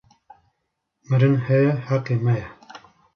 Mirin heye heqê me ye